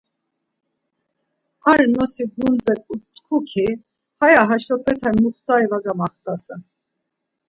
Ar nosi-gundzek tku ki; Haya haşopete muxtari var gamaxtasen.